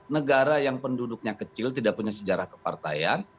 negara yang penduduknya kecil tidak punya sejarah kepartaian